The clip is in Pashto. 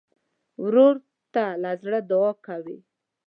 ورور ته له زړه دعا کوې.